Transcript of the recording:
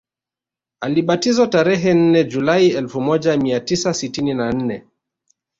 Alibatizwa tarehe nne julai elfu moja mia tisa sitini na nne